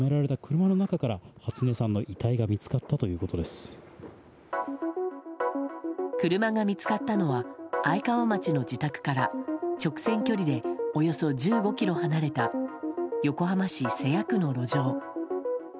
車が見つかったのは愛川町の自宅から直線距離でおよそ１５ｋｍ離れた横浜市瀬谷区の路上。